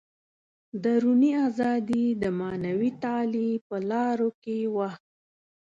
دروني ازادي د معنوي تعالي په لارو کې وه.